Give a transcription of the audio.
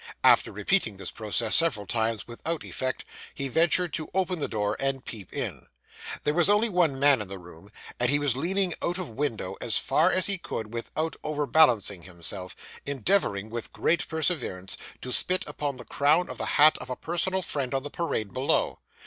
After repeating this process several times without effect, he ventured to open the door and peep in. There was only one man in the room, and he was leaning out of window as far as he could without overbalancing himself, endeavouring, with great perseverance, to spit upon the crown of the hat of a personal friend on the parade below.